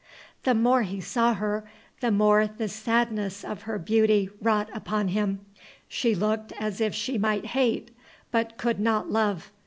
The more he saw her, the more the sadness of her beauty wrought upon him. She looked as if she might hate, but could not love.